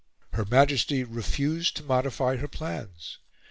Her Majesty refused to modify her plans.